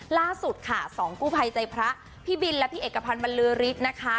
ล่าสุดค่ะสองกู้ภัยใจพระพี่บินและพี่เอกพันธ์บรรลือฤทธิ์นะคะ